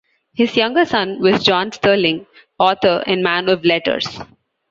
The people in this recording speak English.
His younger son was John Sterling, author and man of letters.